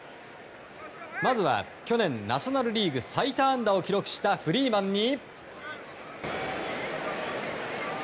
まずは去年、ナショナル・リーグ最多安打を記録したフリーマンに。